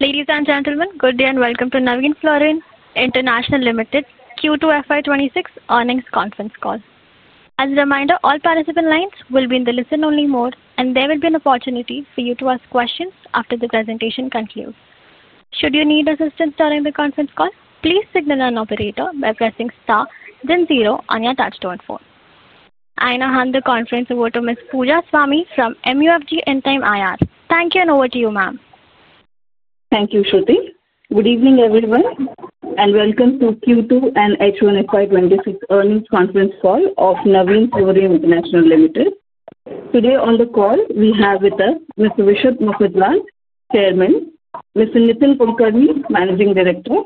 Ladies and gentlemen, good day and welcome to Navin Fluorine Q2 FY 2026 earnings conference call. As a reminder, all participant lines will be in the listen only mode and there will be an opportunity for you to ask questions after the presentation concludes. Should you need assistance during the conference call, please signal an operator by pressing star then zero on your touch tone phone. I now hand the conference over to Ms. Pooja Swami from MUFG Investor Relations. Thank you. And over to you, Ma'am. Am. Thank you, Shruti. Good evening everyone and welcome to Q2. H1 FY 2026 earnings conference call of Navin Fluorine International Limited. Today on the call we have with us Mr. Vishad Mafatlal, Chairman, Mr. Nitin Kulkarni, Managing Director,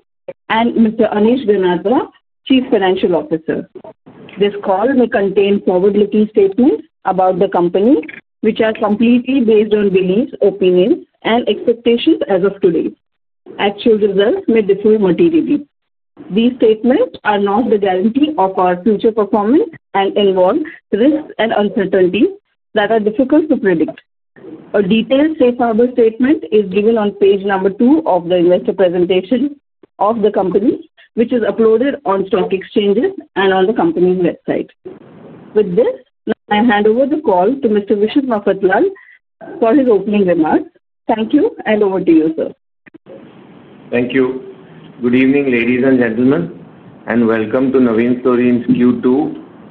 and Mr. Anish Ganatra, Chief Financial Officer. This call may contain forward looking statements about the company which are completely based. On beliefs, opinions, and expectations. As of today, actual results may differ materially. These statements are not the guarantee of our future performance and involve risks and uncertainties that are difficult to predict. A detailed safe harbor statement is given. On page number two of the investor presentation of the company, which is uploaded on stock exchanges and on the company's website. With this letter, I hand over the. Call to Mr. Vishad Mafatlal for his opening remarks. Thank you. Over to you, sir. Thank you. Good evening ladies and gentlemen and welcome to Navin Fluorine's Q2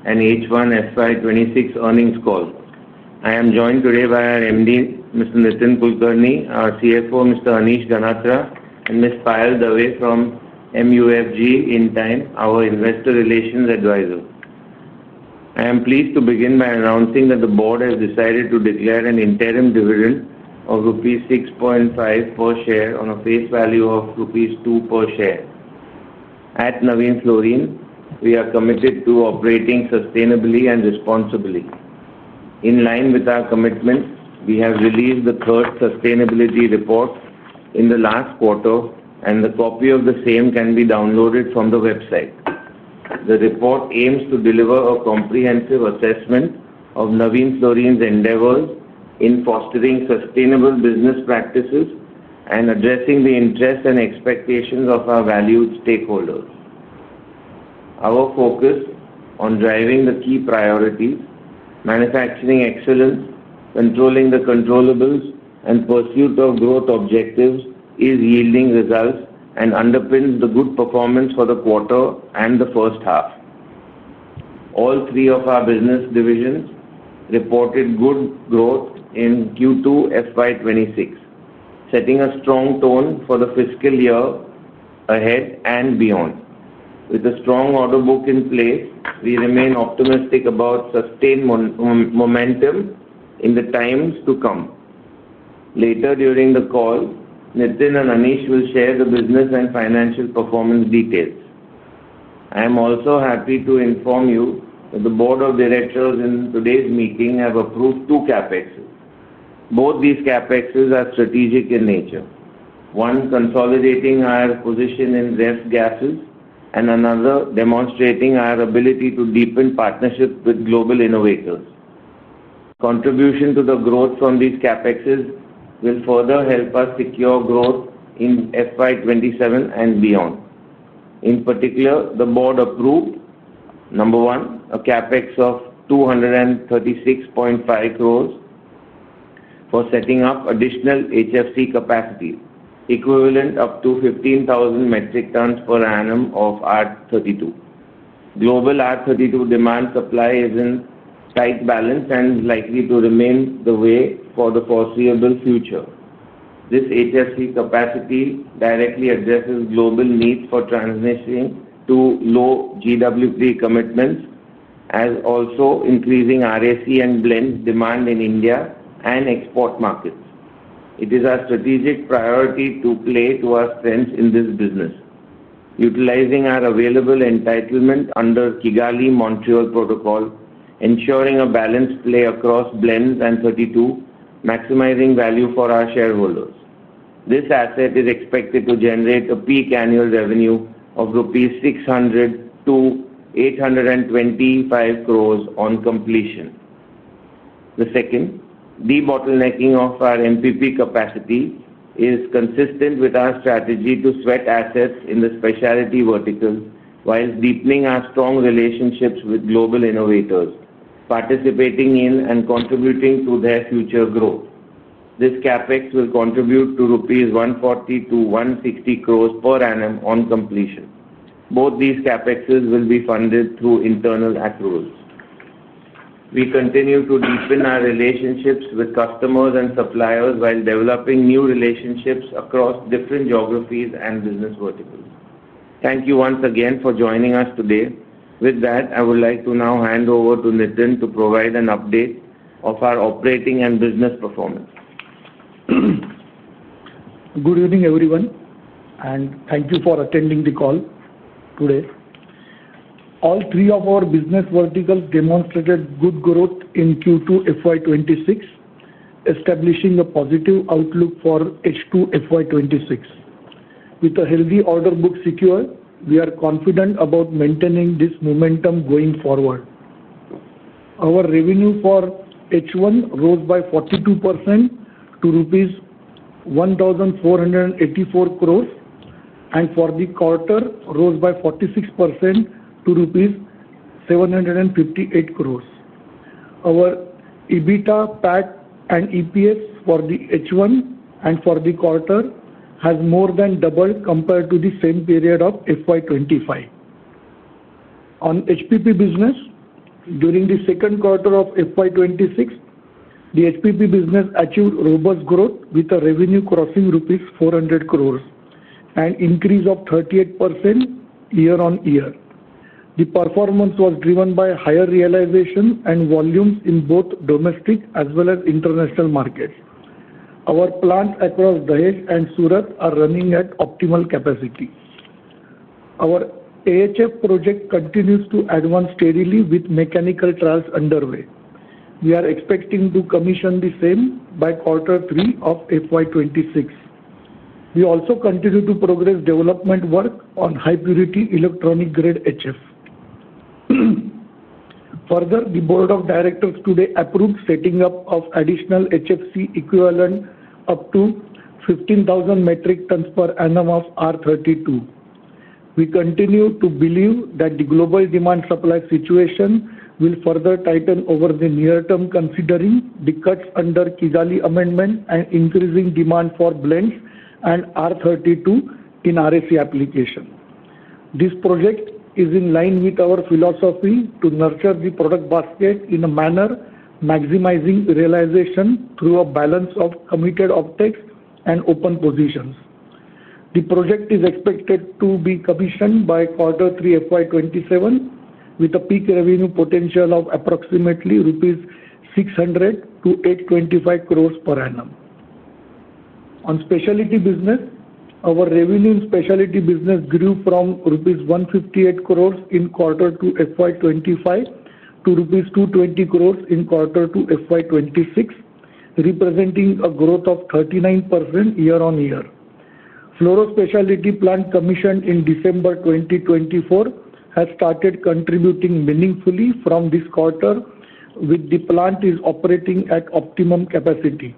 and H1 FY 2026 earnings call. I am joined today by our MD Mr. Nitin Kulkarni, our CFO Mr. Anish Ganatra, and Ms. Payal Dawe from MUFG, in time, our Investor Relations advisor. I am pleased to begin by announcing that the board has decided to declare an interim dividend of rupees 6.5 per share on a face value of rupees 2 per share. At Navin Fluorine, we are committed to operating sustainably and responsibly. In line with our commitment, we have released the third sustainability report in the last quarter and the copy of the same can be downloaded from the website. The report aims to deliver a comprehensive assessment of Navin Fluorine's endeavors in fostering sustainable business practices and addressing the interests and expectations of our valued stakeholders. Our focus on driving the key priorities, manufacturing excellence, controlling the controllables, and pursuit of growth objectives is yielding results and underpins the good performance for the quarter and the first half. All three of our business divisions reported good growth in Q2 FY 2026, setting a strong tone for the fiscal year ahead and beyond. With a strong order book in place, we remain optimistic about sustained momentum in the times to come. Later during the call, Nitin and Anish will share the business and financial performance details. I am also happy to inform you that the Board of Directors in today's meeting have approved two CapEx. Both these CapEx are strategic in nature, one consolidating our position in Rev Gases and another demonstrating our ability to deepen partnership with global innovators. Contribution to the growth from these CapEx will further help us secure growth in FY 2027 and beyond. In particular, the board approved number one, a CapEx of 236.5 crore for setting up additional HFC capacity equivalent up to 15,000 metric tons per annum of R32. Global R32 demand supply is in tight balance and likely to remain the way. For the foreseeable future. This HFC capacity directly addresses global needs for transitioning to low GWP commitments as also increasing RAC and blend demand in India and export markets. It is our strategic priority to play to our strengths in this business utilizing our available entitlement under Kigali Amendment to the Montreal Protocol, ensuring a balanced play across blends and R32, maximizing value for our shareholders. This asset is expected to generate a peak annual revenue of 600-825 crores rupees on completion. The second debottlenecking of our MPP capacity is consistent with our strategy to sweat assets in the Specialty Chemicals vertical while deepening our strong relationships with global innovators participating in and contributing to their future growth. This CapEx will contribute to 140-160 crores rupees per annum on completion. Both these CapExes will be funded through internal accruals. We continue to deepen our relationships with customers and suppliers while developing new relationships across different geographies and business verticals. Thank you once again for joining us today. With that, I would like to now hand over to Nitin to provide an update of our operating and business performance. Good evening everyone and thank you for attending the call today. All three of our business verticals demonstrated good Q2 FY 2026, establishing a positive outlook for H2 FY 2026. With a healthy order book secured, we are confident about maintaining this momentum going forward. Our revenue for H1 rose by 42% to rupees 1,484 crores, and for the quarter rose by 46% to rupees 758 crores. Our EBITDA, PAT, and EPS for the H1 and for the quarter has more than doubled compared to the same period of FY 2025 on HPP business. During the second quarter of FY 2026, the HPP business achieved robust growth with a revenue crossing rupees 400 crores, an increase of 38% year on year. The performance was driven by higher realization and volumes in both domestic as well as international markets. Our plants across Dahej and Surat are running at optimal capacity. Our AHF project continues to advance steadily with mechanical trials underway. We are expecting to commission the same by quarter three of FY 2026. We also continue to progress development work on high purity electronic grade HF. Further, the Board of Directors today approved setting up of additional HFC equivalent up to 15,000 metric tons per annum of R32. We continue to believe that the global demand supply situation will further tighten over the near term considering the cuts under Kigali Amendment and increasing demand for blends and R32 in RAC application. This project is in line with our philosophy to nurture the product basket in a manner maximizing realization through a balance of committed optics and open positions. The project is expected to be commissioned by Q3 FY 2027 with a peak revenue potential of approximately 600-825 crores rupees per annum on Specialty Chemicals business. Our revenue in Specialty Chemicals business grew from rupees 158 crores in quarter two FY 2025 to rupees 220 crores in quarter two FY 2026, representing a growth of 39% year on year. Fluoro specialty plant commissioned in December 2024 has started contributing meaningfully from this quarter with the plant operating at optimum capacity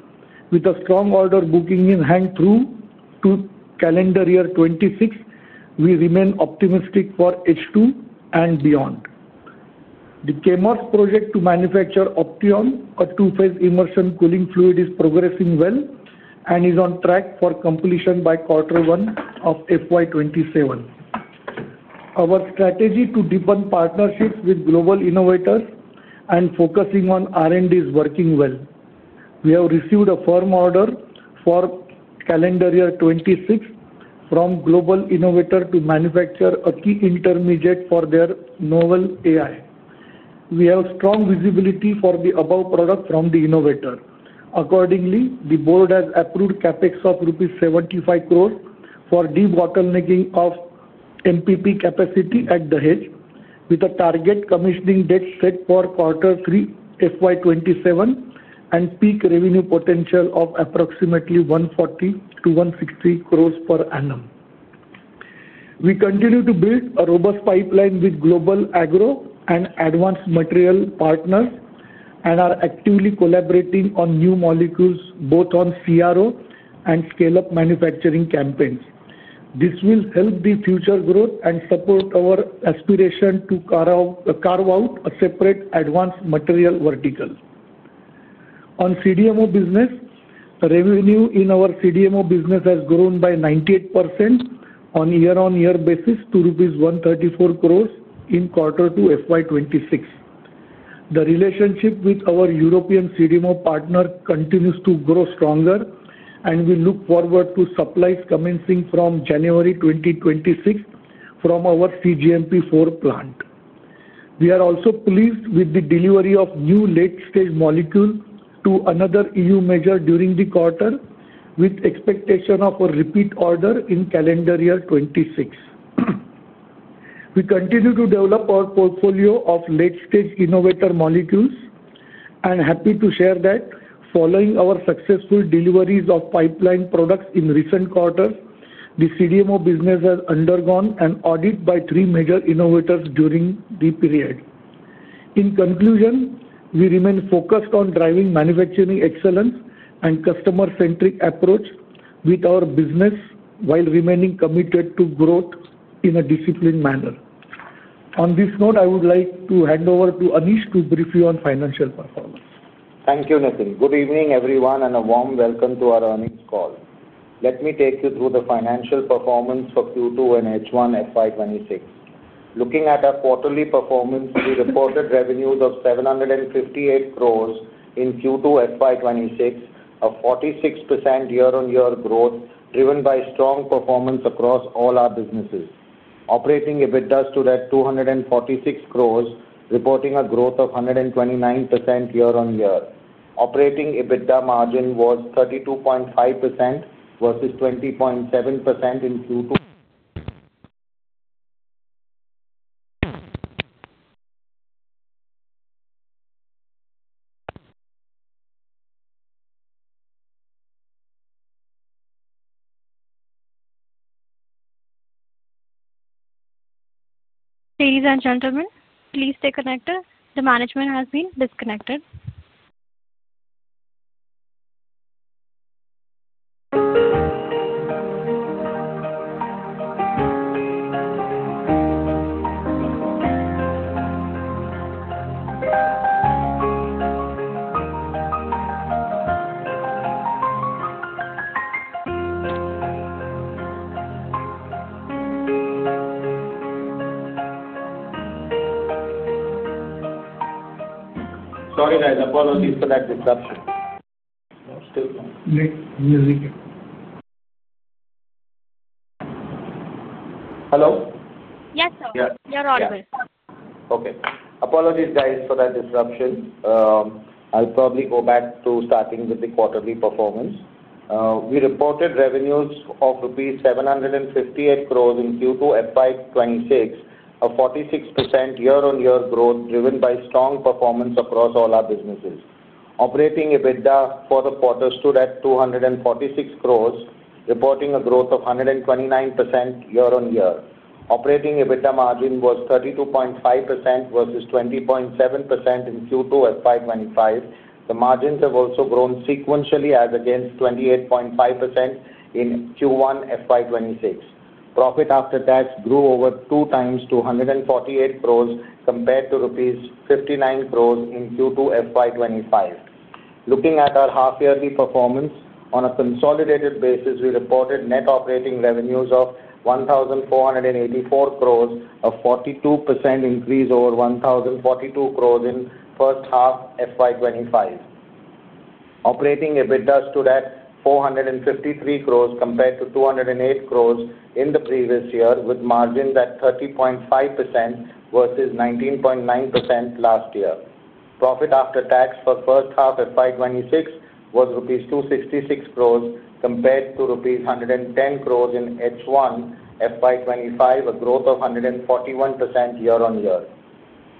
with a strong order booking in hand through to calendar year 2026. We remain optimistic for H2 and beyond. The Chemours project to manufacture Opteon, a two phase immersion cooling fluid, is progressing well and is on track for completion by quarter one of FY 2027. Our strategy to deepen partnerships with global innovators and focusing on R&D is working well. We have received a firm order for calendar year 2026 from Global Innovator to manufacture a key intermediate for their novel API. We have strong visibility for the above product from the innovator. Accordingly, the Board has approved CapEx of rupees 75 crore for debottlenecking of MPP capacity at Dahej, with a target commissioning date set for quarter three FY 2027 and peak revenue potential of approximately 140 to 160 crore per annum. We continue to build a robust pipeline with global agro and advanced material partners and are actively collaborating on new molecules both on CRO and scale-up manufacturing campaigns. This will help the future growth and support our aspiration to carve out a separate advanced material vertical on CDMO business. Revenue in our CDMO business has grown by 98% on year-on-year basis to rupees 134 crore in quarter two FY 2026. The relationship with our European CDMO partner continues to grow stronger and we look forward to supplies commencing from January 2026 from our cGMP4 plant. We are also pleased with the delivery of new late-stage molecule to another EU major during the quarter with expectation of a repeat order in calendar year 2026. We continue to develop our portfolio of late-stage innovator molecules and are happy to share that following our successful deliveries of pipeline products in recent quarters, the CDMO business has undergone an audit by three major innovators during the period. In conclusion, we remain focused on driving manufacturing excellence and customer-centric approach with our business while remaining committed to growth in a disciplined manner. On this note, I would like to hand over to Anish to brief you on financial performance. Thank you Nitin. Good evening everyone and a warm welcome to our earnings call. Let me take you through the financial performance for Q2 and H1 FY 2026. Looking at our quarterly performance, we reported revenues of 758 Q2 FY 2026, a 46% year-on-year growth driven by strong performance across all our businesses. Operating EBITDA stood at 246 crore, reporting a growth of 129% year-on-year. Operating EBITDA margin was 32.5% versus 20.7% in Q2. Ladies and gentlemen, please stay connected. The management has been disconnected. Sorry, guys. Apologies for that disruption. Hello. Yes, sir. You're audible. Okay. Apologies guys for that disruption. I'll probably go back to starting with the quarterly performance. We reported revenues of rupees 758 Q2 FY 2026, a 46% year on year growth driven by strong performance across all our businesses. Operating EBITDA for the quarter stood at 246 crore, reporting a growth of 129% year on year. Operating EBITDA margin was 32.5% versus 20.7% in Q2 FY 2025. The margins have also grown sequentially as against 28.5% in Q1 FY 2026. Profit after tax grew over two times to 148 crore compared to rupees 59 crore in Q2 FY 2025. Looking at our half yearly performance on a consolidated basis, we reported net operating revenues of 1,484 crore, a 42% increase over 1,042 crore in first half FY 2025. Operating EBITDA stood at 453 crore compared to 208 crore in the previous year with margins at 30.5% versus 19.9% last year. Profit after tax for first half FY 2026 was rupees 266 crore compared to rupees 110 crore in H1 FY 2025, a growth of 141% year on year.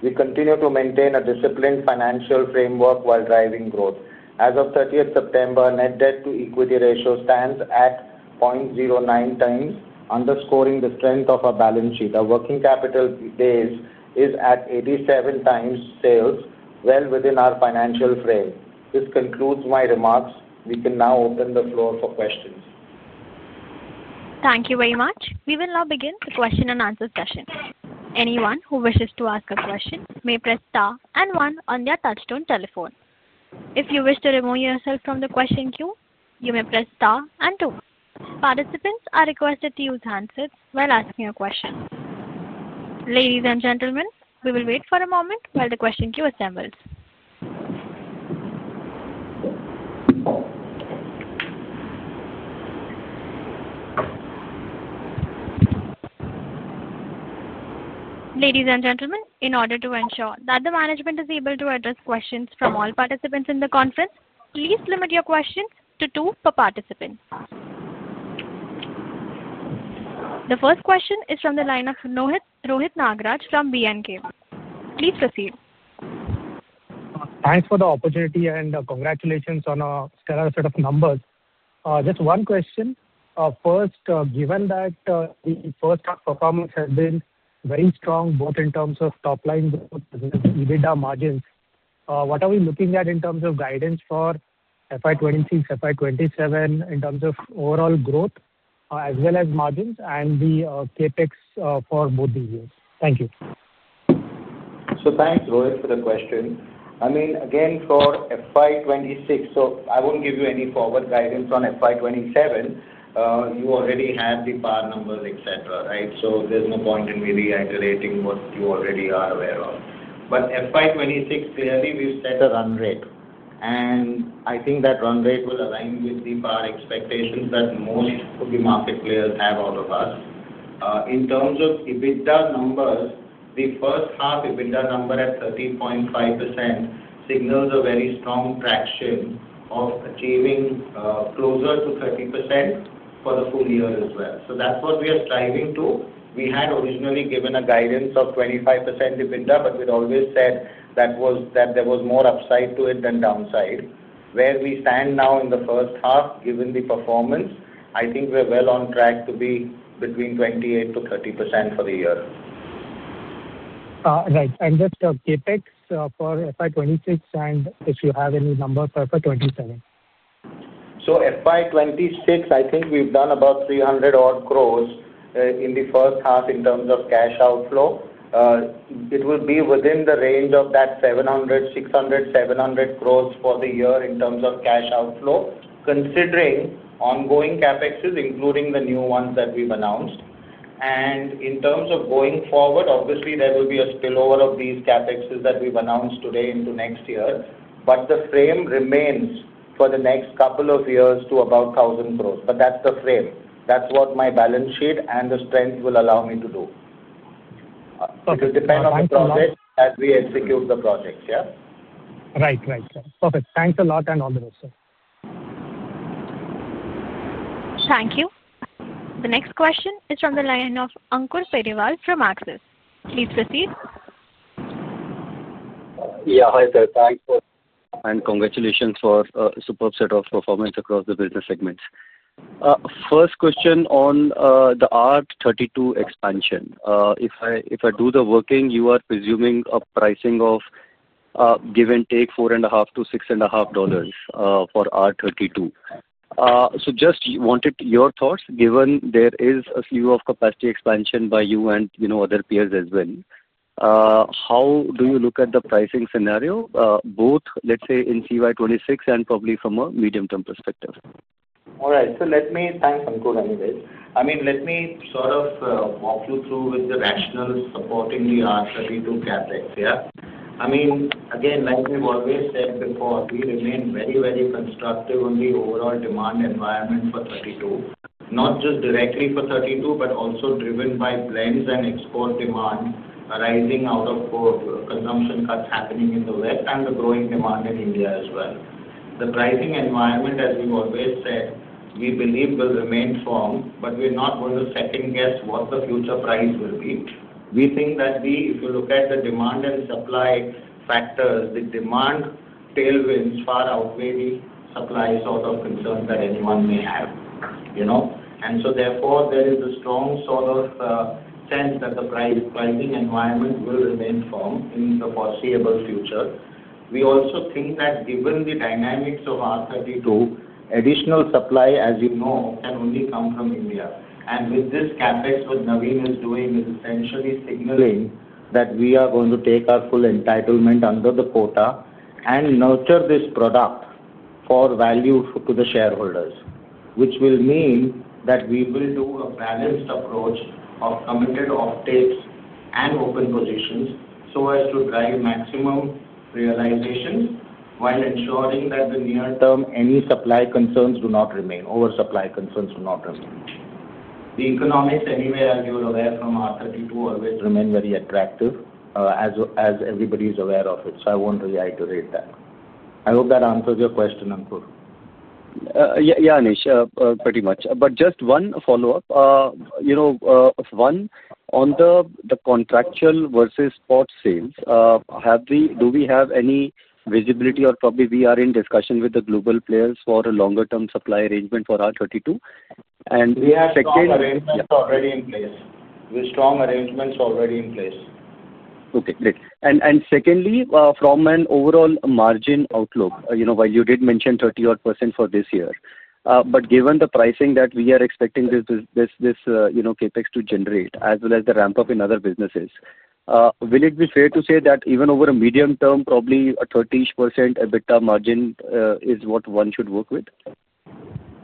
We continue to maintain a disciplined financial framework while driving growth. As of 30th September, net debt-to-equity ratio stands at 0.09 times. Underscoring the strength of our balance sheet, working capital days is at 87 times sales, well within our financial frame. This concludes my remarks. We can now open the floor for questions. Thank you very much. We will now begin the question-and-answer session. Anyone who wishes to ask a question may press star and one on their touch-tone telephone. If you wish to remove yourself from the question queue, you may press star and two. Participants are requested to use handsets while asking a question. Ladies and gentlemen, we will wait for a moment while the question queue assembles. Ladies and gentlemen, in order to ensure that the management is able to address questions from all participants in the conference, please limit your questions to two per participant. The first question is from the line of Rohit Nagraj from B&K. Please proceed. Thanks for the opportunity and congratulations on a stellar set of numbers. Just one question first. Given that the first half performance has been very strong both in terms of top line growth, EBITDA, margins, what are we looking at in terms of guidance for FY 2026, FY 2027 in terms of overall growth as well as margins and the CapEx for both these years? Thank you. Thanks, Rohit, for the question. I mean again for FY 2026. I won't give you any forward guidance on FY 2027. You already have the bar numbers, etc., right? There's no point in me reiterating what you already are aware of. FY 2026, clearly we've set a run rate, and I think that run rate will align with the expectations that most of the market players have out of us. In terms of EBITDA numbers, the first half EBITDA number at 30.5% signals very strong traction of achieving closer to 30% for the full year as well. That's what we are striving to. We had originally given a guidance of 25% EBITDA, but we'd always said that there was more upside to it than downside. Where we stand now in the first half, given the performance, I think we're well on track to be between 28%-30% for the year. Right. I'm just CapEx for FY 2026 and if you have any number for FY 2027. For FY 2026, I think we've done about 300 crore in the first half. In terms of cash outflow, it will be within the range of that 600, 700 crore for the year in terms of cash outflow, considering ongoing CapEx including the new ones that we've announced. In terms of going forward, obviously there will be a spinover of these CapEx that announced today into next year, but the frame remains for the next couple of years to about 1,000 crore. That's the frame, that's what my balance sheet and the strength will allow me to do. It will depend on the project as we execute the projects. Right, right, perfect. Thanks a lot and all the rest. Thank you. The next question is from the line of Ankur Periwal from Axis. Please proceed. Yeah, hi there. Thanks and congratulations for superb set of performance across the business segments. First question on the R32 expansion. If I do the working, you are presuming a pricing of, give and take, $4.5-$6.5 for R32. Just wanted your thoughts given there is a queue of capacity expansion by you and other peers as well. How do you look at the pricing scenario both, let's say, in CY 2026 and probably from a medium term perspective. All right, so let me thank you anyways. Let me sort of walk you through with the rationale supporting the R32 CapEx. Like we've always said before, we remain very, very constructive on the overall demand environment for R32. Not just directly for R32 but also driven by blends and export demand arising out of consumption cuts happening in the West and the growing demand in India as well. The pricing environment, as we always said, we believe will remain firm. We're not going to second guess what the future price will be. If you look at the demand and supply factors, the demand tailwinds far outweigh the supply concerns that anyone may have. Therefore, there is a strong sense that the pricing environment will remain firm in the foreseeable future. We also think that given the dynamics of R32, additional supply, as you know, can only come from India. With this CapEx, what Navin is doing is essentially signaling that we are going to take our full entitlement under the quota and nurture this product for value to the shareholders. This will mean that we will do a balanced approach of committed offtakes and open positions so as to drive maximum realizations while ensuring that in the near term, any supply concerns do not remain. The economics anyway, as you are aware from R32, always remain very attractive as everybody is aware of it. I won't reiterate that. I hope that answers your question, Ankur. Yeah Anish, pretty much. Just one follow up, one on the contractual versus spot sales. Do we have any visibility or probably we are in discussion with the global players for a longer term supply arrangement for R32 and we have already in place with strong arrangements already in place. Okay, great. Secondly, from an overall margin outlook, you know, while you did mention 30% for this year, given the pricing that we are expecting this CapEx to generate as well as the ramp up in other businesses, will it be fair to say that even over a medium term probably a 30% EBITDA margin is what one should work with?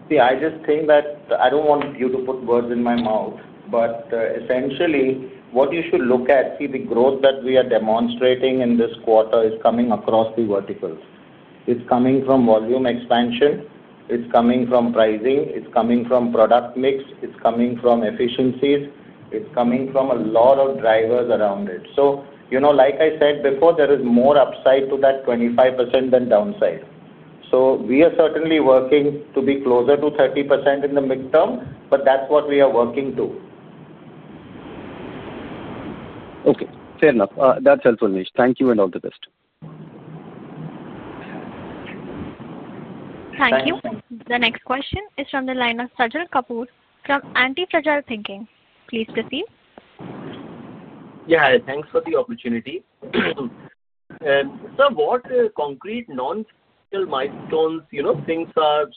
See, I just think that I don't want you to put words in my mouth, but essentially what you should look at, see the growth that we are demonstrating in this quarter is coming across the verticals. It's coming from volume expansion, it's coming from pricing, it's coming from product mix, it's coming from efficiencies, it's coming from a lot of drivers around it. You know, like I said before, there is more upside to that 25% than downside. We are certainly working to be closer to 30% in the midterm. That's what we are working to. Okay, fair enough. That's helpful, Anish. Thank you and all the best. Thank you. The next question is from the line of Sajal Kapoor from Antifragile Thinking. Please proceed. Yeah, thanks for the opportunity, sir. What concrete non-milestones, you know, things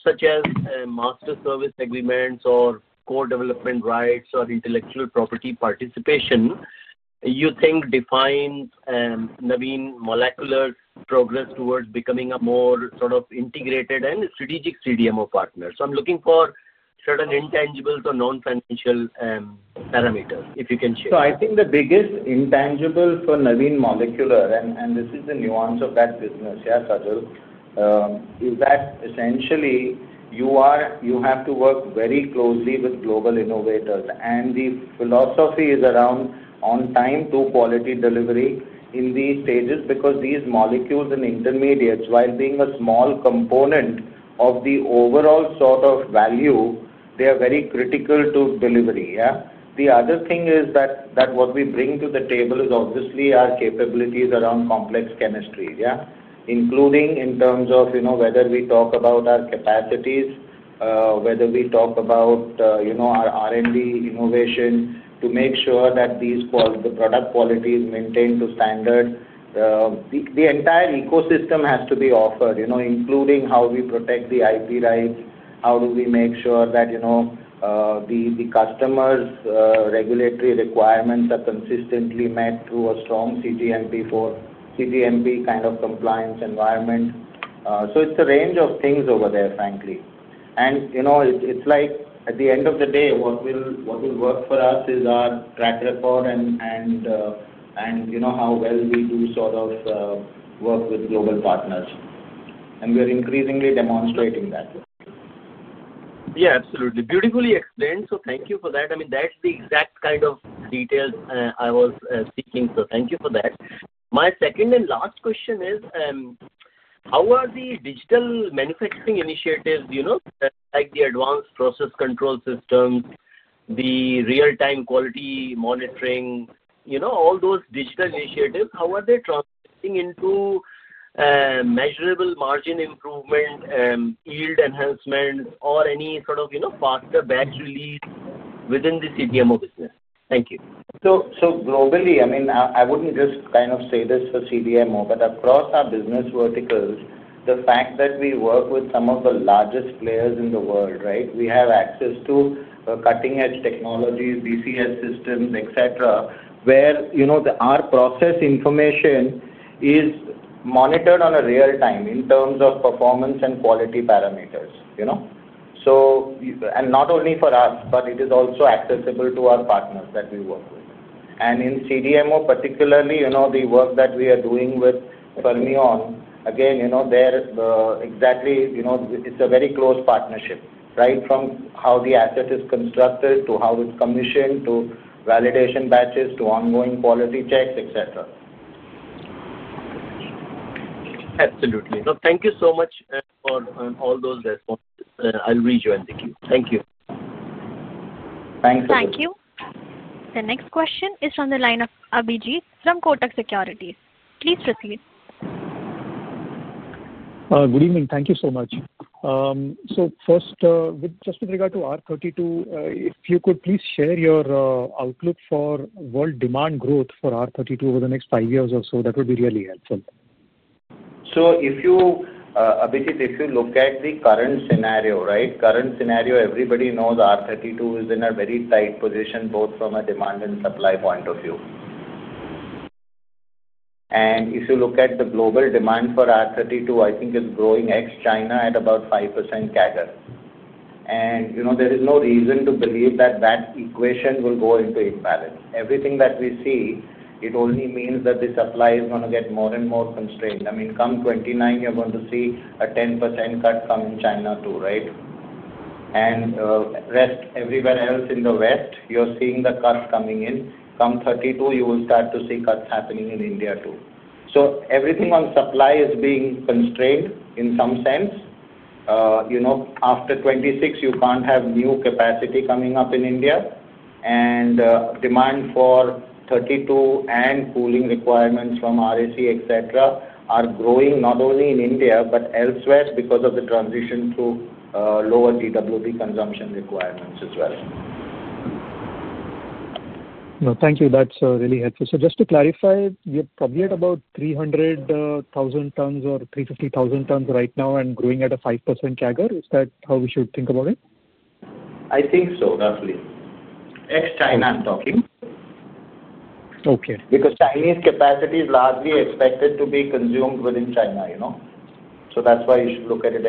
such as master service agreement or core development rights or intellectual property participation do you think defines Navin Molecular progress towards becoming a more sort of integrated and strategic CDMO partner? I'm looking for certain intangibles or non-financial parameters if you can share. I think the biggest intangible for Navin Molecular, and this is the nuance of that business, yes, Sajal, is that essentially you have to work very closely with global innovators and the philosophy is around on-time to quality delivery in these stages because these molecules and intermediates, while being a small component of the overall sort of value, they are very critical to delivery. The other thing is that what we bring to the table is obviously our capabilities around complex chemistry, including in terms of, you know, whether we talk about our capacities, whether we talk about, you know, our R&D innovation to make sure that these quality, product quality is maintained to standard. The entire ecosystem has to be offered, you know, including how we protect the IP rights, how do we make sure that, you know, the customer's regulatory requirements are consistently met through a strong cGMP4 kind of compliance environment. It's a range of things over there, frankly. At the end of the day, what will work for us is our track record and, you know, how well we do sort of work with global partners and we are increasingly demonstrating. Yeah, absolutely. Beautifully explained. Thank you for that. I mean, that's the exact kind of details I was seeking, so thank you for that. My second and last question is how are the digital manufacturing initiatives, you know, like the advanced process control systems, the real-time quality monitoring, you know, all those digital initiatives, how are they translating into measurable margin improvement, yield enhancement, or any sort of, you know, faster batch release within the CDMO business? Thank you. Globally, I mean, I wouldn't just kind of say this for CDMO but across our business verticals, the fact that we work with some of the largest players in the world, right, we have access to cutting-edge technology, BCS systems, etc., where, you know, our process information is monitored on a real-time basis in terms of performance and quality parameters, you know, so not only for us, but it is also accessible to our partners that we work with. In CDMO particularly, you know, the work that we are doing with Fermion, again, you know, it's a very close partnership, right? From how the asset is constructed to how it's commissioned to validation batches, to ongoing quality checks, etc. Absolutely. Thank you so much for all those responses. I'll rejoin the queue. Thank you. Thanks. Thank you. The next question is from the line of Abhijit from Kotak Securities. Please proceed. Good evening. Thank you so much. First, just with regard to R32, if you could please share your outlook for world demand growth for R32 over the next five years or so. That would be really helpful. If you look at the current scenario, right, current scenario, everybody knows R32 is in a very tight position both from a demand and supply point of view. If you look at the global demand for R32, I think it is growing ex China at about 5% CAGR. There is no reason to believe that that equation will go into imbalance. Everything that we see, it only means that the supply is going to get more and more constrained. I mean, come 2029, you're going to see a 10% cut come in China too, right? Everywhere else in the West, you're seeing the cuts coming in. Come 2032, you will start to see cuts happening in India too. Everything on supply is being constrained in some sense. After 2026, you can't have new capacity coming up in India, and demand for R32 and cooling requirements from RAC, etc., are growing not only in India but elsewhere because of the transition to lower TWP consumption requirements as well. No, thank you, that's really helpful. Just to clarify, you're probably at about 300,000 tonnes or 350,000 tonnes right now and growing at a 5% CAGR. Is that how we should think about it? I think so, roughly ex China, I'm talking. Okay. Because Chinese capacity is largely expected to be consumed within China, you know, that's why you should look at it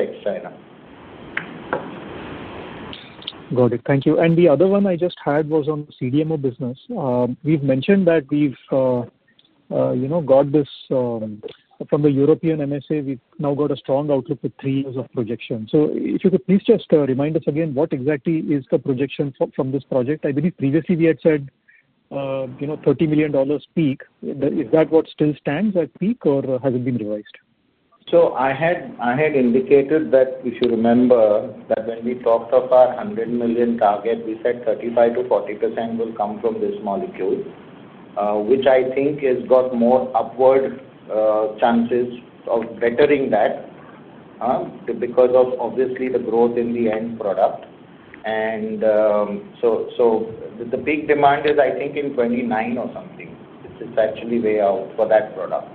extra now. Thank you. The other one I just had was on CDMO business. We've mentioned that we've, you know, got this from the European MSA. We've now got a strong outlook with three years of projection. If you could please just remind us again, what exactly is the projection from this project? I believe previously we had said $30 million peak. Is that what still stands at peak? Has it been revised? I had indicated that, if you remember that when we talked of our $100 million target, we said 35%-40% will come from this molecule, which I think has got more upward chances of bettering that because of obviously the growth in the end product. The peak demand is, I think, in 2029 or something. It's actually way out for that product.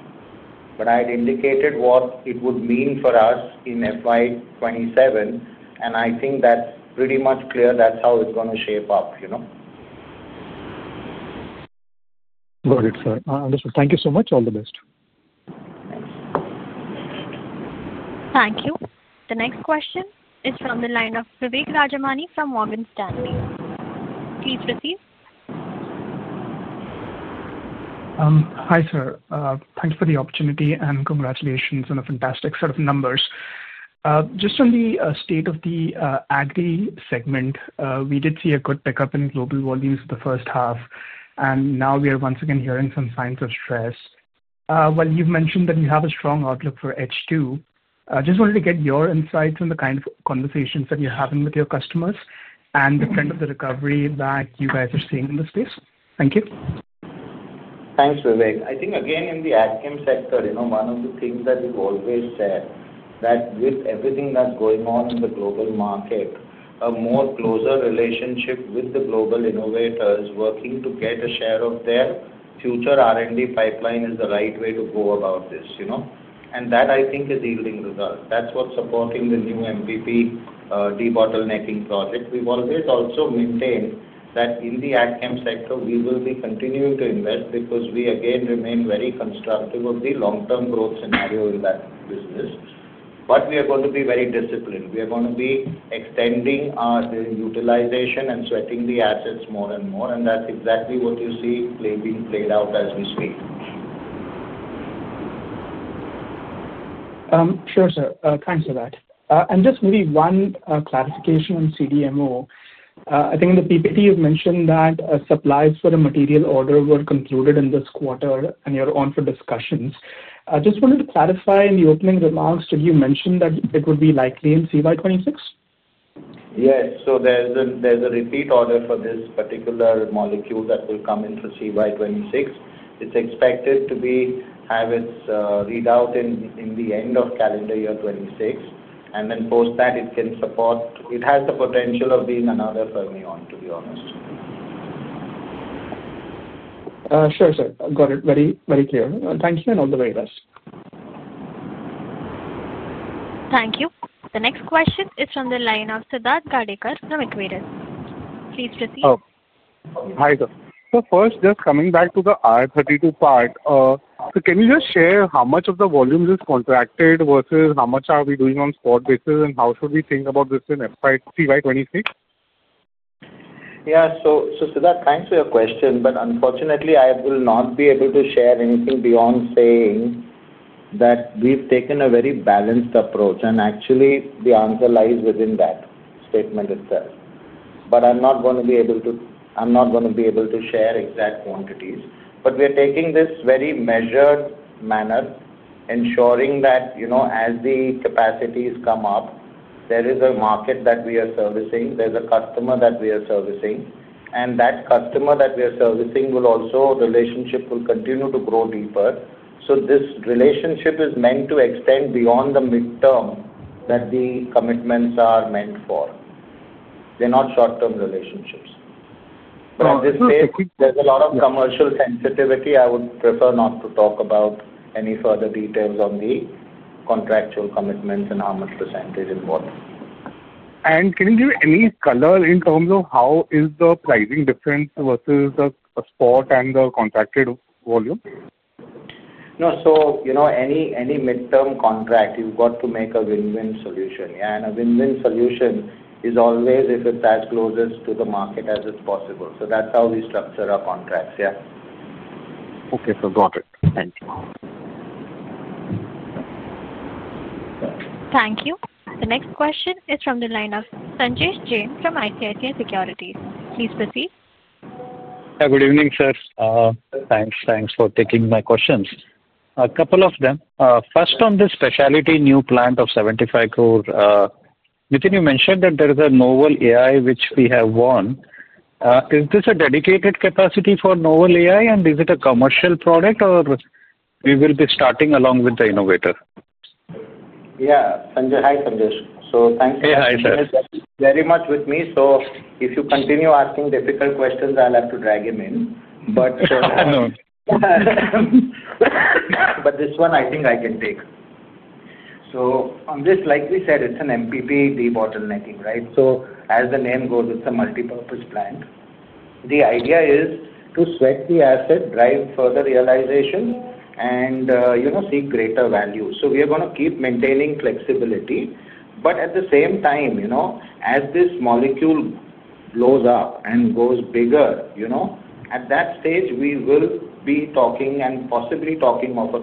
I had indicated what it would mean for us in FY 2027 and I think that's pretty much clear that's how it's going to shape up, you know. Got it, sir. Thank you so much. All the best. Thank you. The next question is from the line of Vivek Rajamani from Morgan Stanley. Please proceed. Hi sir. Thanks for the opportunity and congratulations on a fantastic set of numbers. Just on the state of the AGRI segment, we did see a good pickup in global volumes in the first half and now we are once again hearing some signs of stress. While you've mentioned that you have a strong outlook for H2, just wanted to get your insights on the kind of conversations that you're having with your customers and the trend of the recovery that you guys are seeing in the space. Thank you. Thanks, Vivek. I think again in the AgChem sector, one of the things that we've always said is that with everything that's going on in the global market, a closer relationship with the global innovators working to get a share of their future R&D pipeline is the right way to go about this, you know. I think that is yielding results. That's what's supporting the new MPP debottlenecking project. We've also always maintained that in the AgChem sector we will be continuing to invest because we again remain very constructive of the long-term growth scenario in that business. We are going to be very disciplined. We are going to be extending our utilization and sweating the assets more and more, and that's exactly what you see being played out as we speak. Sure sir, thanks for that. Just maybe one clarification on CDMO. I think in the PPT you've mentioned that supplies for the material order were concluded in this quarter and you're on for discussions. I just wanted to clarify, in the opening remarks did you mention that it would be likely in CDMO CY 2026? Yes. There is a repeat order for this particular molecule that will come in for CY 2026. It's expected to have its readout at the end of calendar year 2026, and then post that it can support, it has the potential of being another fermion, to be honest. Sure, sir. Got it. Very, very clear. Thank you, and all the very best. Thank you. The next question is from the line of Siddharth Gadekar from Equirus. Please proceed. Hi sir. Just coming back to the R32 part, can you just share how much of the volumes is contracted versus how much are we doing on spot basis, and how should we think about this in FY 2026? Siddharth, thanks for your question, but unfortunately I will not be able to share anything beyond saying that we've taken a very balanced approach and actually the answer lies within that statement itself. I'm not going to be able to share exact quantities. We are taking this very measured manner, ensuring that, you know, as the capacities come up, there is a market that we are servicing, there's a customer that we are servicing, and that customer that we are servicing will also, the relationship will continue to grow deeper. This relationship is meant to extend beyond the midterm that the commitments are meant for. They're not short term relationships. There's a lot of commercial sensitivity. I would prefer not to talk about any further details on the contractual commitments and how much percentage involved. Can you give any color in terms of how is the pricing difference versus a spot and the contracted volume? No, any midterm contract, you've got to make a win-win solution. A win-win solution is always if it's as close to the market as it's possible. That's how we structure our contracts. Okay. Got it. Thank you. Thank you. The next question is from the line of Sanjay Jain from ICICI Securities. Please proceed. Good evening, sir. Thanks. Thanks for taking my questions. A couple of them. First, on this Specialty Chemicals new plant of 75 crore, Nitin, you mentioned that there is a novel API which we have won. Is this a dedicated capacity for novel API, and is it a commercial product, or we will be starting along with the innovator. Yeah, thanks very much with me. If you continue asking difficult questions, I'll have to drag him in, but this one I think I can take. On this, like we said, it's an MPP debottlenecking. As the name goes, it's a multipurpose plant. The idea is to sweat the asset, drive further realization, and seek greater value. We are going to keep maintaining flexibility, but at the same time, as this molecule blows up and goes bigger, at that stage we will be talking and possibly talking of a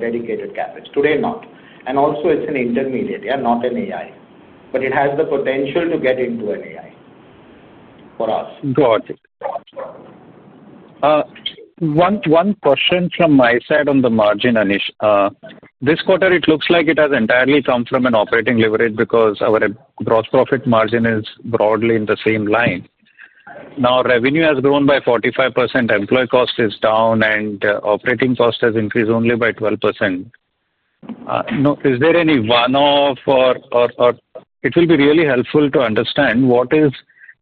dedicated CapEx. Today, not. Also, it's an intermediate, not an API, but it has the potential to get into an API for us. Got it. One question from my side on the margin, Anish. This quarter it looks like it has. Entirely come from an operating leverage because. Our gross profit margin is broadly in. The same line now. Revenue has grown by 45%. Employee cost is down and operating cost has increased only by 12%. Is there any one-off or? It will be really helpful to understand what is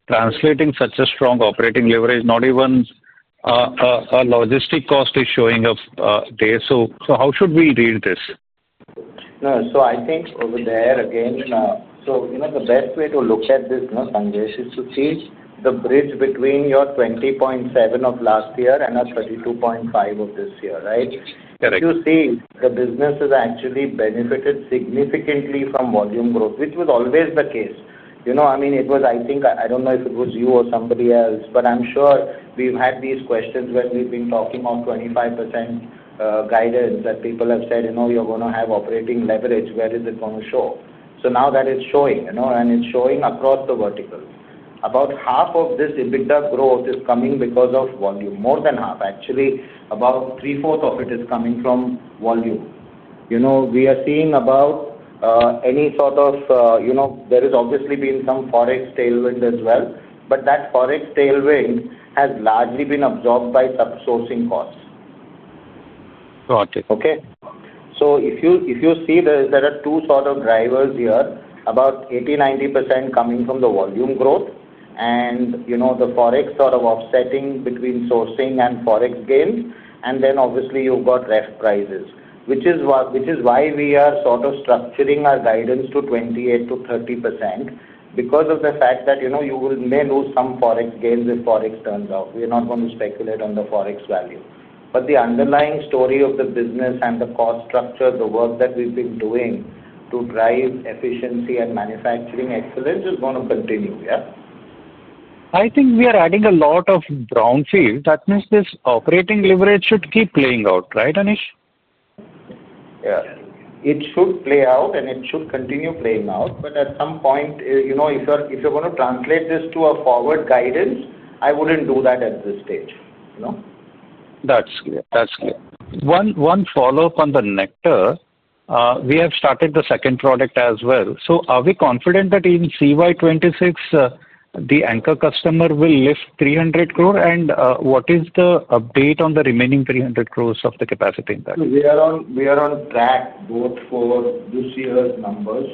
translating such a strong operating leverage. Not even a logistic cost is showing up there. How should we read this? I think over there again, you know, the best way to look at this is to see the bridge between your 20.7 of last year and a 32.5 of this year. You see the business has actually benefited significantly from volume growth, which was always the case. I mean, I think, I don't know if it was you or somebody else, but I'm sure we've had these questions when we've been talking of 25% guidance that people have said, you're going to have operating leverage. Where is it going to show? Now that it's showing, and it's showing across the vertical, about half of this EBITDA growth is coming because of volume. More than half, actually about three fourths of it is coming from volume. We are seeing about any sort of, you know, there has obviously been some Forex tailwind as well, but that Forex tailwind has largely been absorbed by subsourcing costs. Got it. If you see the two sort of drivers here, about 80%-90% coming from the volume growth and the Forex sort of offsetting between sourcing and Forex gains. Obviously, you've got ref prices, which is why we are structuring our guidance to 28%-30% because of the fact that you may lose some Forex gains if Forex turns out. We are not going to speculate on the Forex value, but the underlying story of the business and the cost structure, the work that we've been doing to drive efficiency and manufacturing excellence, is going to continue. Yeah, I think we are adding a lot of brownfield. That means this operating leverage should keep playing out, right Anish? Yeah, it should play out and it should continue playing out. At some point, you know, if you're going to translate this to a forward guidance, I wouldn't do that at this stage. That's clear. One follow up on the Nectar. We have started the second product as well. Are we confident that in CY 2026 the anchor customer will lift 300 crore, and what is the update on the remaining 300 crore of the capacity? We are on track both for this year's numbers,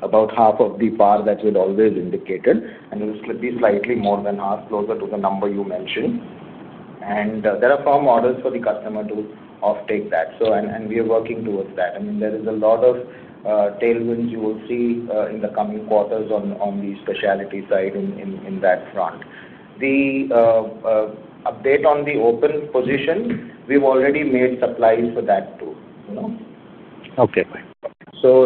about half of the par that we've always indicated. It will be slightly more than half, closer to the number you mentioned. There are firm orders for the customer to offtake that, and we are working towards that. There are a lot of tailwinds you will see in the coming quarters. On the Specialty Chemicals side in that front, the update on the open position, we have already made supplies for that too.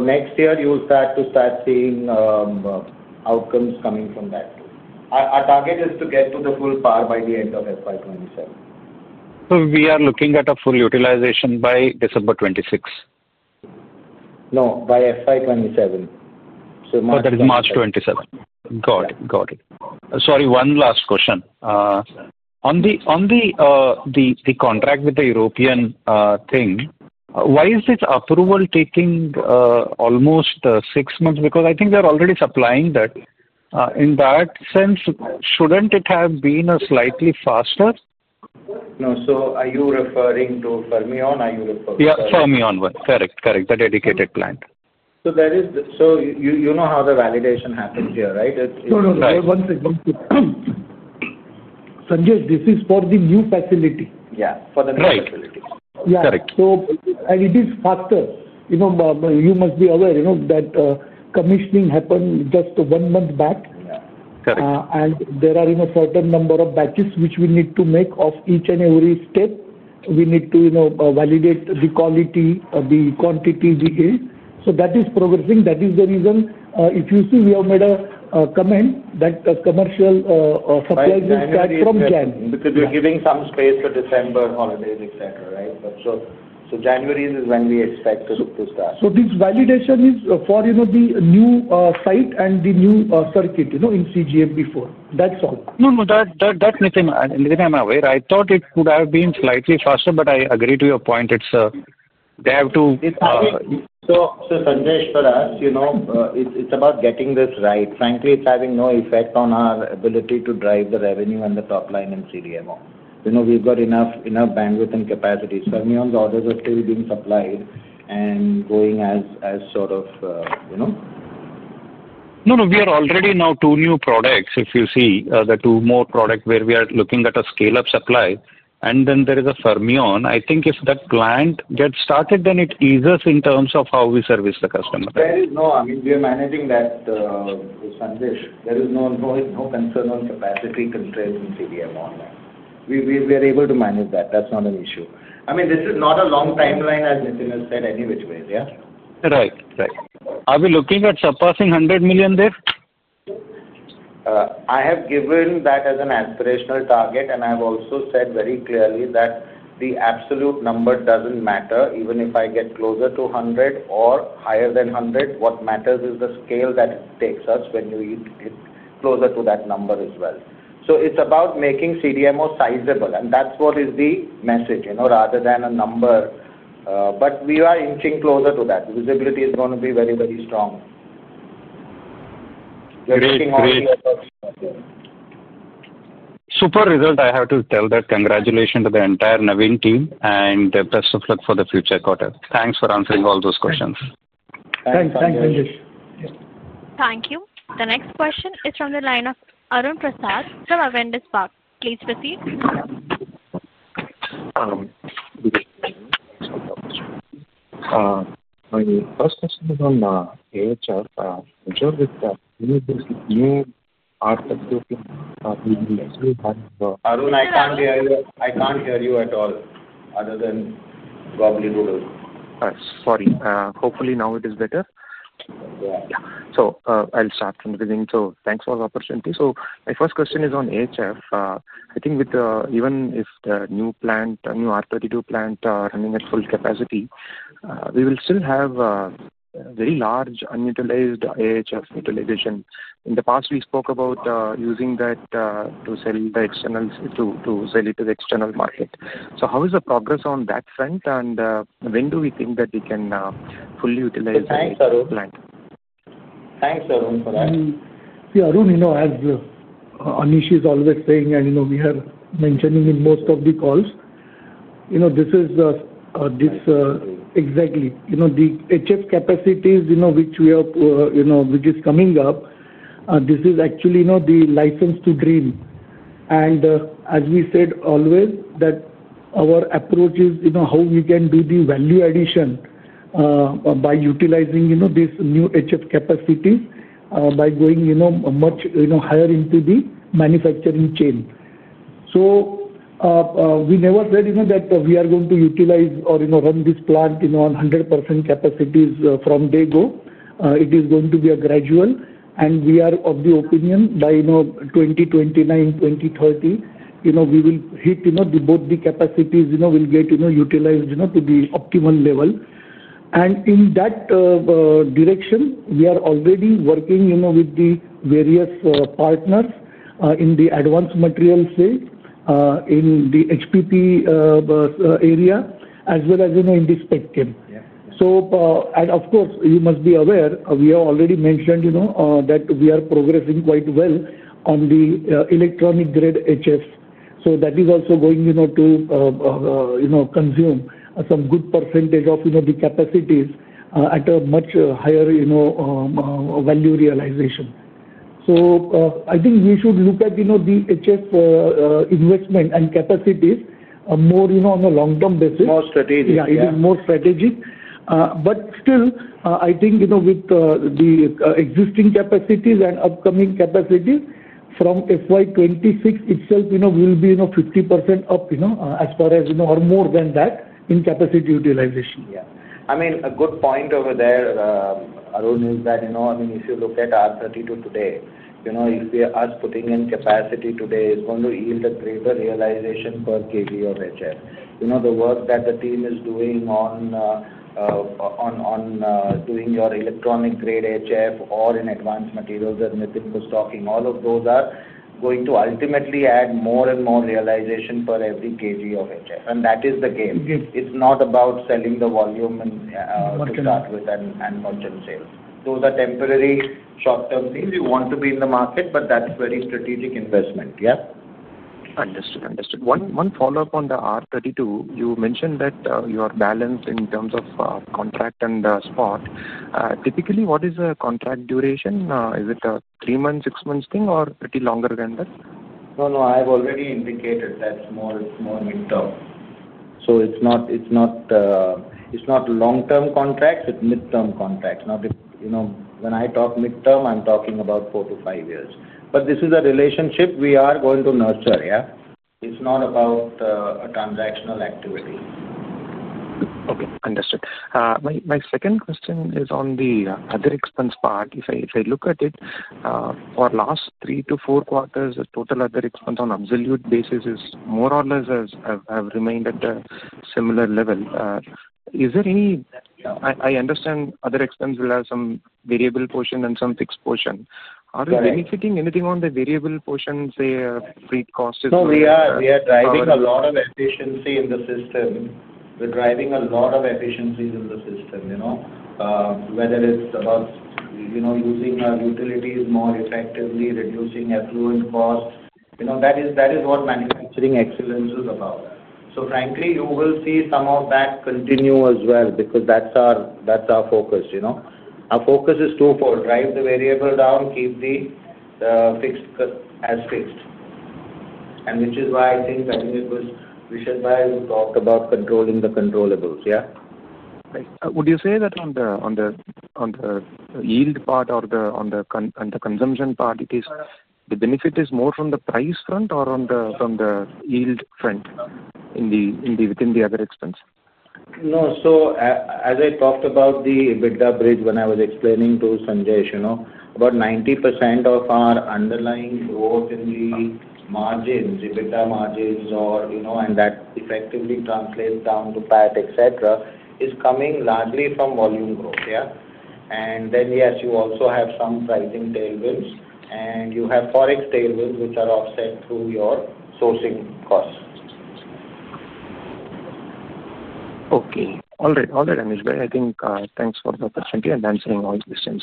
Next year you will start to start seeing outcomes coming from that. Our target is to get to the full power by the end of FY 2027. We are looking at a full utilization by December 2026. No, by FY 2027. That is March 2027. Got it. Sorry, one last question on the, on. The contract with the European thing. Why is this approval taking almost six months? Because I think they're already supplying that. In that sense, shouldn't it have been slightly faster? No. Are you referring to Fermion? Yeah, Fermion. Correct, correct. The dedicated plant. That is. You know how the validation happens here, right. Sanjay? This is for the new facility. Yeah, for the right facility. Correct. It is faster. You must be aware that commissioning happened just one month back, and there are a certain number of batches which we need to make of each and every step. We need to validate the quality, the quantity we use. That is progressing. That is the reason if you see, we have made a comment that the commercial supplies from Jan because you're giving. Some space for December holidays, etc. Right. January is when we expect to start. This validation is for, you know, the new site and the new circuit, you know, in cGMP4. That's all. No, no, that I'm aware. I thought it could have been slightly faster, but I agree to your point. It's. They have to. Sanjay, for us, it's about getting this right, frankly. It's having to drive the revenue and the top line in CDMO. We've got enough bandwidth and capacity. Fermion's orders are still being supplied and going as sort of, you know. No, we are already now two new products. If you see the two more products where we are looking at a scale. Up supply and then there is a Fermion. I think if that client gets started, then it eases in terms of how. We service the customer. We are managing that. There is no concern on capacity constraints in CDMO line. We were able to manage that. That's not an issue. This is not a long timeline. As Nitin has said, any which way. Yeah, right, right. Are we looking at surpassing $100 million there? I have given that as an aspirational target. I've also said very clearly that the absolute number doesn't matter even if I get closer to 100 or higher than 100. What matters is the scale that it takes us when you eat it, closer to that number as well. It's about making CDMO sizable and that's what is the message, you know, rather than a number. We are inching closer to that. Visibility is going to be very, very strong. Super result. I have to tell that congratulations to the entire Navin team and best of. Luck for the future quarter. Thanks for answering all those questions. Thanks. Thanks. Thank you. The next question is from the line of Arun Prasad from Avendis Park. Please proceed. My first. I can't hear you. I can't hear you at all other than Goblin Doodle. Sorry. Hopefully now it is better. I'll start from within. Thanks for the opportunity. My first question is on AHF. I think even if the new. Plant, new R32 plant running at full capacity, we will still have very large unutilized AHF utilization. In the past we spoke about using that to sell the external, to sell. It to the external market. How is the progress on that front, and when do we think that? We can fully utilize? Thanks, Arun, for that. See Arun, as Anish is always saying and we are mentioning in most of the calls, this is exactly the HF capacities which we are, which is coming up. This is actually the license to drain and as we said always that our approach is how we can do the value addition by utilizing this new HF capacity by going much higher into the manufacturing chain. We never said that we are going to utilize or run this plant on 100% capacities from day go. It is going to be gradual and we are of the opinion by 2029, 2030, we will hit both the capacities, will get utilized to the optimal level. In that direction we are already working with the various partners in the advanced materials in the HPP area as well as in this spectrum. Of course you must be aware we have already mentioned that we are progressing quite well on the electronic grade HF. That is also going to consume some good percentage of the capacities at a much higher value realization. I think we should look at the HF investment and capacities more on a long-term basis. More strategic. Still I think with the existing capacities and upcoming capacities from FY 2026 itself, will be 50% up or more than that in capacity utilization. Yeah, I mean a good point over there Arun, is that you know, I mean if you look at R32 today, you know, if us putting in capacity today is going to yield a greater realization per kg of HF, you know, the work that the team is doing on doing your electronic grade HF or in advanced materials and all of those are going to ultimately add more and more realization for every kg of HF. That is the game. It's not about selling the volume to start with and merchant sales. Those are temporary, short term things. You want to be in the market. That's very strategic investment. Yeah, understood. Understood. One follow up on the R32, you. Mentioned that you are balanced in terms of contract and spot typically. What is the contract duration? Is it a three months, six months thing, or pretty longer than that? No, I've already indicated that. More midterm. It's not long term contracts, it's midterm contracts. When I talk midterm I'm talking about four to five years. This is a relationship we are going to nurture. It's not about a transactional activity. Okay, understood. My second question is on the other expense part. If I look at it for last three to four quarters, the total other expense on absolute basis is. More or less have remained at similar level. Is there any, I understand other expense will have some variable portion and some fixed portion. Are you benefiting anything on the variable? Portion, say free cost? We are driving a lot of efficiency in the system. We're driving a lot of efficiencies in the system. You know, whether it's about using our utilities more effectively, reducing effluent cost, that is what manufacturing excellence is about. Frankly, you will see some of that continue as well because that's our focus. You know, our focus is twofold: drive the variable down, keep the fixed as fixed. That is why I think Vishad Bhai talked about controlling the controllables. Yeah. Would you say that on the yield part or the consumption part, the benefit is more from the price front or from the yield front within the other expense? No. As I talked about the EBITDA bridge when I was explaining to Sanjay, about 90% of our underlying growth in the margins, EBITDA margins, is coming largely from volume growth. Yes, you also have some pricing tailwinds and you have forex tailwinds, which are offset through your sourcing cost. Okay. All right. Anish Ganatra, I think thanks for the. Opportunity and answering all questions.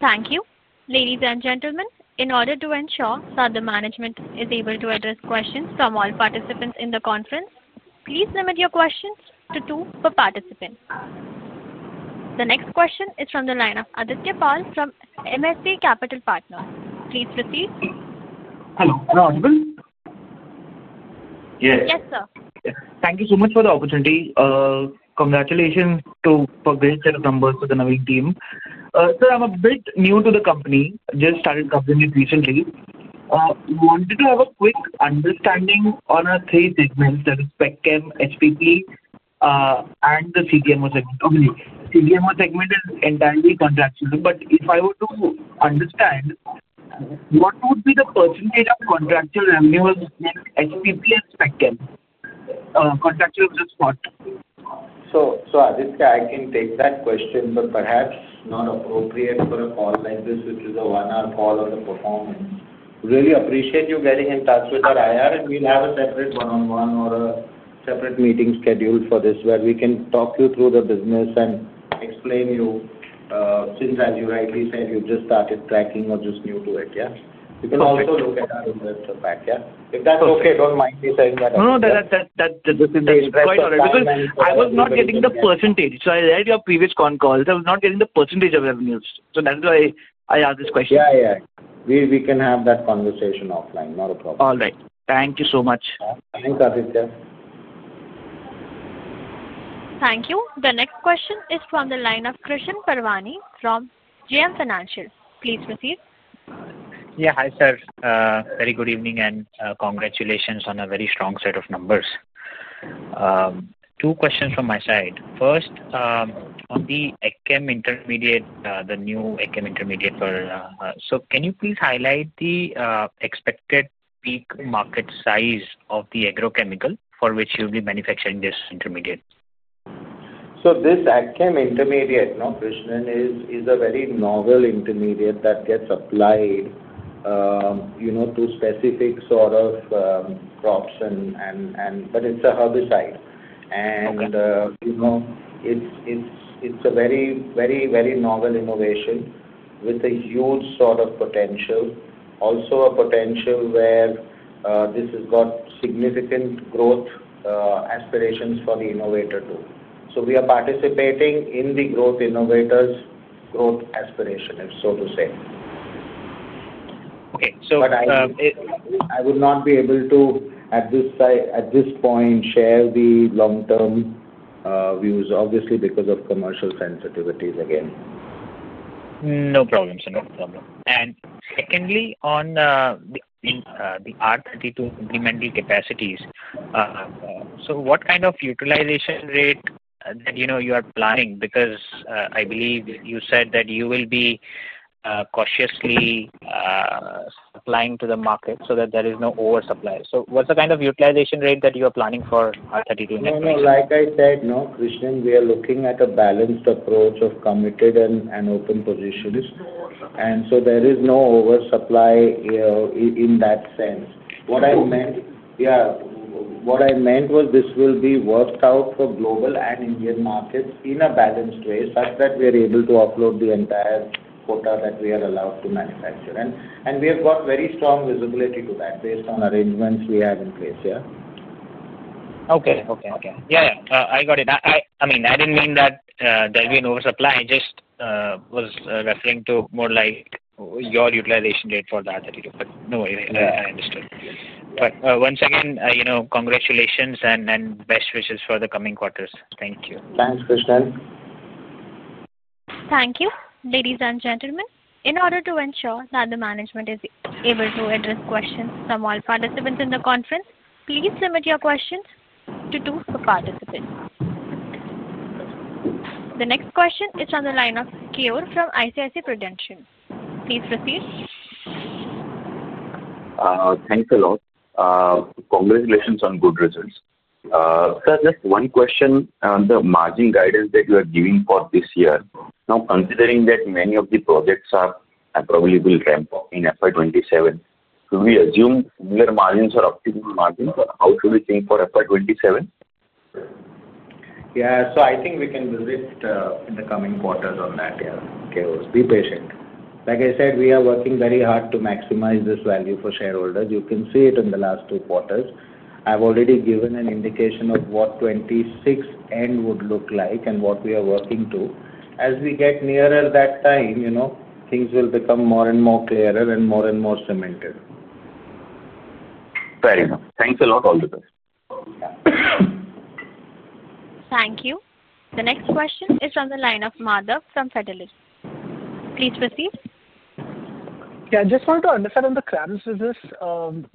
Thank you. Ladies and gentlemen, in order to ensure that the management is able to address questions from all participants in the conference, please limit your questions to two per participant. The next question is from the line of Adityapal from MSA Capital Partners. Please proceed. Hello. Yes sir. Thank you so much for the opportunity. Congratulations to. Great set of numbers for the Navin team. Sir, I'm a bit new to the company, just started covering it recently. Wanted to have a quick understanding on our three segments that respect Chem, HPP. The CDMO segment is entirely contractual. If I were to understand what. Would be the percentage of contractual revenue spectrum. So. I can take that question, but perhaps not appropriate for a call like this, which is a one hour call on the performance. Really appreciate you getting in touch with that IR, and we'll have a separate one on one or a separate meeting scheduled for this where we can talk you through the business and explain you, since as you rightly said, you just started tracking or just new to it. You can also look at our back, if that's okay. Don't mind me saying that. No, because I was not getting the percentage. I read your previous contract. I was not getting the percentage of revenues, that's why I asked this question. Yeah, yeah, we can have that conversation offline. Not a problem. All right, thank you so much. Thank you. The next question is from the line of Krishan Parwani from JM Financial. Please proceed. Yeah. Hi sir. Very good evening and congratulations on a very strong set of numbers. Two questions from my side. First on the ECKM intermediate, the new intermediate. Can you please highlight the expected peak market size of the agrochemical for which you'll be manufacturing this intermediate? This AK Chem intermediate, now Krishan, is a very novel intermediate that gets applied to specific sort of crops. It's a herbicide and it's a very, very, very novel innovation with a huge sort of potential. Also a potential where this has got significant growth aspirations for the innovator too. We are participating in the innovator's growth aspiration, so to say. I would not be able to at this site at this point share the long-term views obviously because of commercial sensitivities. No problem, sir. Secondly, on the R32 capacities, what kind of utilization rate are you planning? I believe you said that you will be cautiously applying to the market so that there is no oversupply. What's the kind of utilization rate that you are planning for next year? Like I said, Krishan, we are looking at a balanced approach of committed and open positions, and there is no oversupply in that sense. What I meant was this will be worked out for global and Indian markets in a balanced way such that we are able to operate the entire quota that we are allowed to manufacture. We have got very strong visibility to that based on arrangements we have in place here. Okay, I got it. I didn't mean that there'll be an oversupply. I just was referring to more like your utilization rate for that. I understood. Once again, congratulations and best wishes for the coming quarters. Thank you. Thanks, Krishan. Thank you. Ladies and gentlemen, in order to ensure that the management is able to address questions from all participants in the conference, please submit your questions to two participants. The next question is on the line of Keyur from ICICI Prudential. Please proceed. Thanks a lot. Congratulations on good results. Sir, just one question. The margin guidance that you are giving for this year. Now considering that many of the projects probably will ramp up in FY 2027, do we assume similar margins or optimal margins? How should we think for FY 2027? Yeah, I think we can visit in the coming quarters on that. Be patient. Like I said, we are working very hard to maximize this value for shareholders. You can see in the last two quarters I've already given an indication of what FY 2026 would look like and what we are working to as we get nearer that time, you know, things will become more and more clear and more and more cemented. Fair enough. Thanks a lot. All the best. Thank you. The next question is from the line of Madhav from Fidelity. Please proceed. Yeah, I just wanted to understand. On the CRAMS business,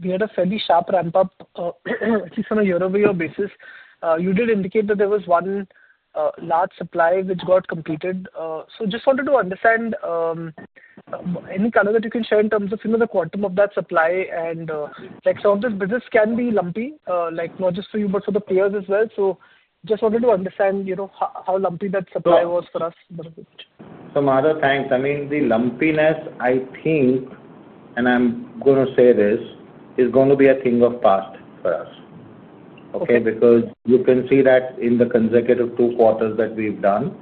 we had a fairly sharp ramp up at least on a year-over-year basis. You did indicate that there was one large supply which got completed. I just wanted to understand any color that you can share in terms of the quantum of that supply. Like some of this business can be lumpy, not just for you but for the players as well. I just wanted to understand how lumpy that supply was for us. Madhav, thanks. I mean the lumpiness, I think, and I'm going to say this is going to be a thing of the past for us. You can see that in the consecutive two quarters that we've done,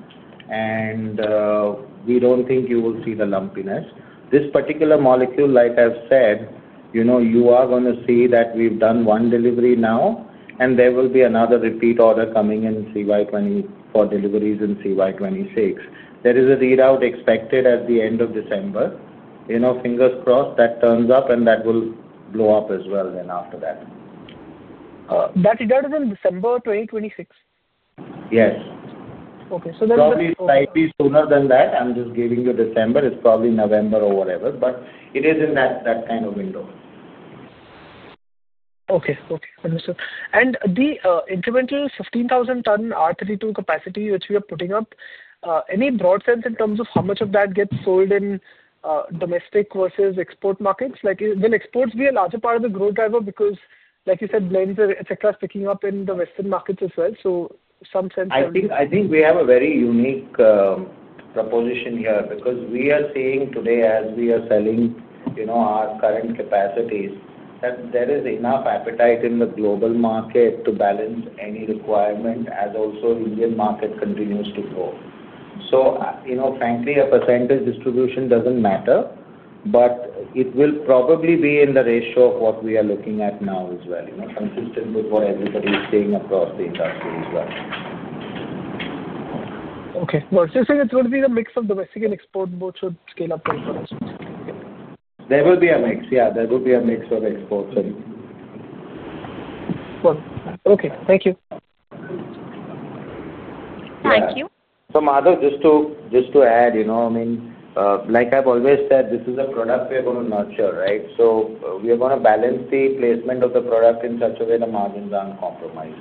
and we don't think you will see the lumpiness in this particular molecule. Like I've said, you are going to see that we've done one delivery now, and there will be another repeat order coming in CY 2020 for deliveries in CY 2026. There is a readout expected at the end of December. Fingers crossed that turns up, and that will blow up as well. After that it does in December 2026. Yes. Okay. That's slightly sooner than that. I'm just giving you December; it's probably November or whatever, but it is in that kind of window. Okay, understood. The incremental 15,000 ton R32 capacity which we are putting up, any broad sense in terms of how much of that gets sold in domestic versus export markets? Will exports be a larger part of the growth driver because, like you said, blends etc. is picking up in the western markets as well? Some sense. I think we have a very unique proposition here because we are seeing today as we are selling our current capacities that there is enough appetite in the global market to balance any requirement as also Indian market continues to grow. Frankly, a percentage distribution doesn't matter. It will probably be in the ratio of what we are looking at now as well, consistent with what everybody is seeing across the industry. Okay. It's going to be the mix of domestic and export. Both should scale up. There will be a mix. Yeah, there will be a mix of exports. Okay, thank you. Thank you. Just to add, you know, I mean like I've always said, this is a product we're going to nurture. Right. We are going to balance the placement of the product in such a way the margins aren't compromised.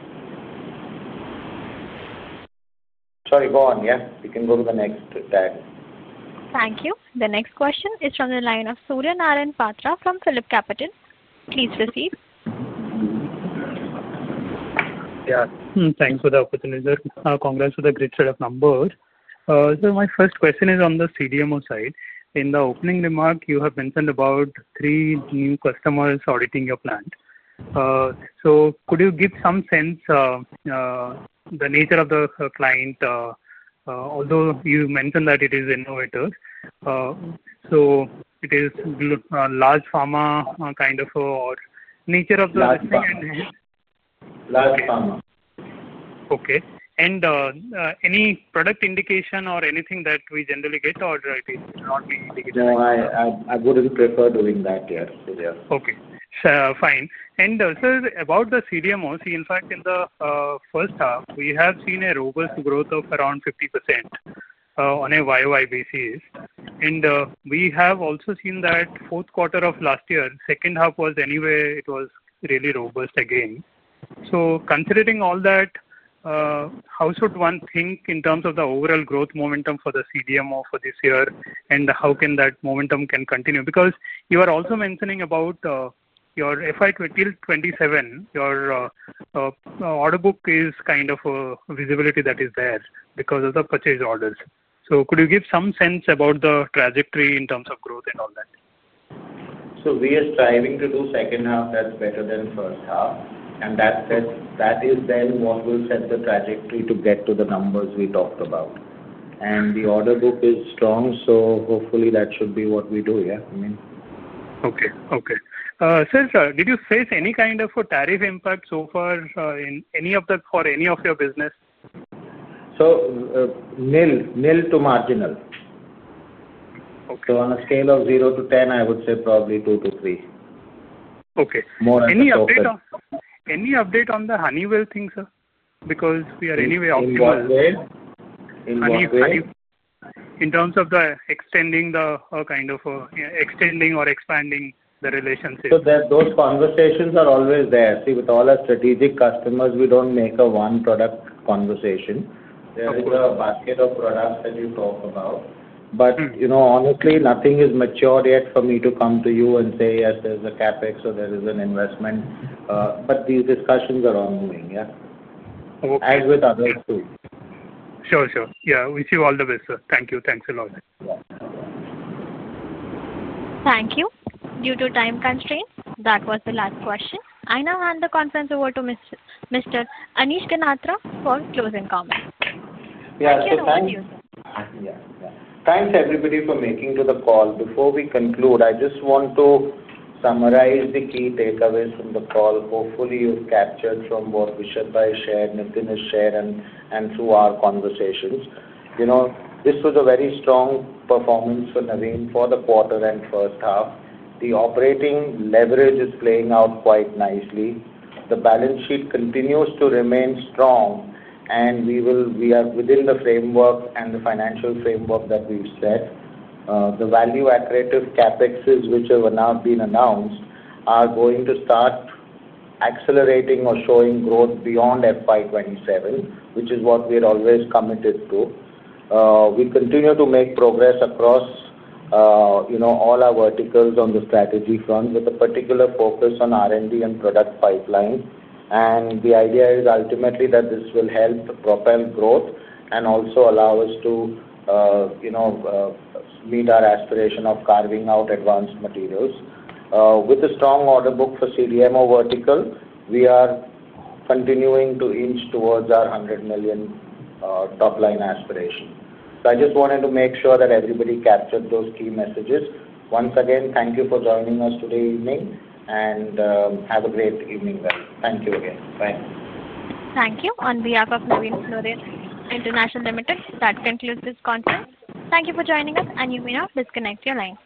Sorry, go on. Yeah, we can go to the next tab. Thank you. The next question is from the line of Surya Narayan Patra from PhillipCapital. Please proceed. Yeah, thanks for the opportunity. Congrats for the great set of numbers. My first question is on the CDMO side. In the opening remark, you have mentioned about three new customers auditing your plant. Could you give some sense of the nature of the client? Although you mentioned that it is innovative, is it large pharma kind of or nature of? Large pharma. Okay. Any product indication or anything that. We generally get, or it will not be. No, I wouldn't prefer during that year. Okay, fine. About the CDMO also, in fact in the first half we have seen a robust growth of around 50% on a YoY basis. We have also seen that fourth quarter of last year, second half was really robust again. Considering all that, how should one think in terms of the overall growth momentum for the CDMO for this year and how can that momentum continue? You are also mentioning about your FY 2027, your order book is kind of a visibility that is there because of the purchase orders. Could you give some sense about the trajectory in terms of growth and all that. We are striving to do second half that's better than first half, and that is then what will set the trajectory to get to the numbers we talked about. The order book is strong, so hopefully that should be what we do. Yeah, I mean. Okay. Okay. Did you face any kind of a tariff impact so far in any of the, for any of your business? Nil to marginal. On a scale of 0-10, I would say probably 2-3. Okay. Any update on the Honeywell things? We are anyway in terms of extending or expanding the relationship. Those conversations are always there. With all our strategic customers, we don't make a one product conversation. There is a basket of products that you talk about, but honestly, nothing is matured yet for me to come to you and say yes, there's a CapEx or there is an investment. These discussions are ongoing, as with others too. Sure, sure. Yeah. Wish you all the best. Thank you. Thanks a lot. Thank you. Due to time constraints, that was the last question. I now hand the conference over to Mr. Anish Ganatra for closing comments. Thanks everybody for making to the call. Before we conclude, I just want to summarize the key takeaways from the call. Hopefully you've captured from what Vishad Mafatlal shared, Nitin Kulkarni has shared and through our conversations. This was a very strong performance for Navin Fluorine for the quarter and first half. The operating leverage is playing out quite nicely. The balance sheet continues to remain strong and we are within the framework and the financial framework that we set. The value accretive CapExes which have now been announced are going to start accelerating or showing growth beyond FY 2027, which is what we are always committed to. We continue to make progress across all our verticals on the strategy front, with a particular focus on R&D and product pipeline. The idea is ultimately that this will help propel growth and also allow us to meet our aspiration of carving out advanced materials. With a strong order book for CDMO vertical, we are continuing to inch towards our $100 million top line aspiration. I just wanted to make sure that everybody captured those key messages. Once again, thank you for joining us today evening and have a great evening. Thank you again. Bye. Thank you. On behalf of Navin Fluorine International Limited, that concludes this conference. Thank you for joining us. You may now disconnect your lines.